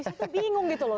saya tuh bingung gitu loh